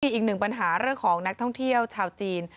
อีกหนึ่งปัญหาเรื่องของนักท่องเที่ยวชาวจีน